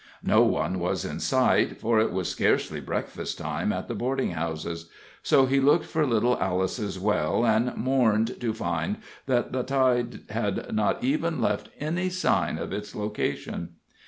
No one was in sight, for it was scarcely breakfast time at the boarding houses; so he looked for little Alice's well, and mourned to find that the tide had not even left any sign of its location.